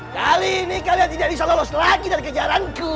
kali ini kalian tidak bisa lolos lagi dari kejaranku